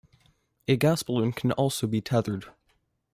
A gas balloon can also be tethered.